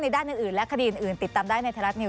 ในด้านอื่นและคดีอื่นติดตามได้ใน